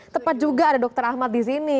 tepat juga ada dokter ahmad di sini